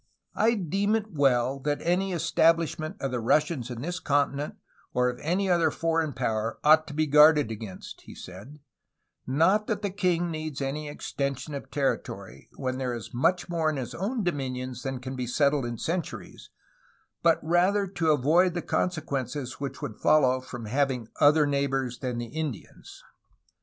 '*I deem it well that any establishment of the Russians in this continent or of any other foreign power ought to be guarded against," he said, "not that the king needs any extension of terri tory, when there is much more in his own dominions than can be settled in centuries, but rather to avoid the consequences which would follow from having other neighbors than the Indians."